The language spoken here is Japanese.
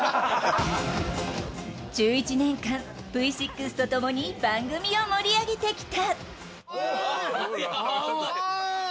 １１年間、Ｖ６と共に番組を盛り上げてきた。